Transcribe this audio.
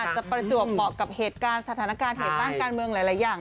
ประจวบเหมาะกับเหตุการณ์สถานการณ์เหตุบ้านการเมืองหลายอย่าง